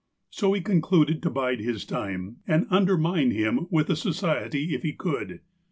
So he concluded to bide his time, and undermine him with the Society if he could.